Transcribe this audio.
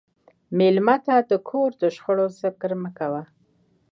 مېلمه ته د کور د شخړو ذکر مه کوه.